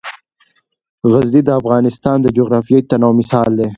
غزني د افغانستان د جغرافیوي تنوع مثال دی.